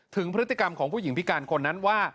ถึงพฤติกรรมของผู้หญิงพิการคนนั้นว่า